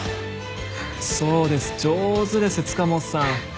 そうです上手です塚本さん。